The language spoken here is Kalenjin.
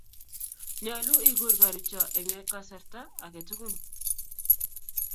Nyolu ikur karucho eng kasarta ake tugul